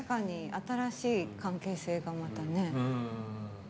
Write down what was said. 新しい関係性がまたね。